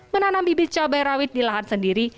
menanam bibit cabai rawit di lahan sendiri